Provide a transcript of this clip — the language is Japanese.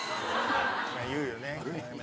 言うよね。